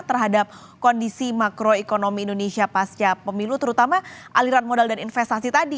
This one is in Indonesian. terhadap kondisi makroekonomi indonesia pasca pemilu terutama aliran modal dan investasi tadi